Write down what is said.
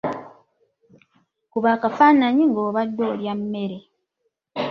Kuba akafaananyi ng'obadde olya mmere.